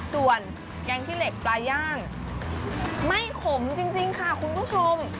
ส่วนแกงขี้เหล็กปลาย่างไม่ขมจริงค่ะคุณผู้ชม